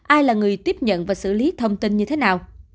ai là người tiếp nhận và xử lý thông tin như thế nào